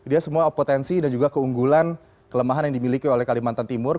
dia semua potensi dan juga keunggulan kelemahan yang dimiliki oleh kalimantan timur